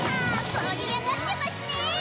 盛り上がってますねえ！